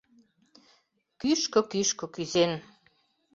Кӱшкӧ-кӱшкӧ кӱзен